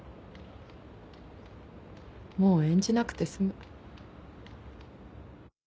もう演じなくて済む。